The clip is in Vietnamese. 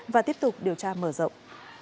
và tiếp tục điều tra mở rộng